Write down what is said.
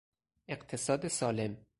اقتصاد سالم